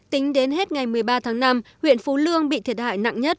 tính đến hết ngày một mươi ba tháng năm huyện phú lương bị thiệt hại nặng nhất